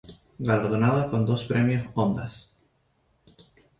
Galardonada con dos premios Ondas.